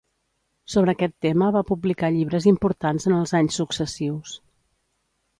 Sobre aquest tema va publicar llibres importants en els anys successius.